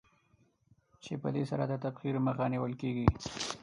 چې په دې سره د تبخیر مخه نېول کېږي.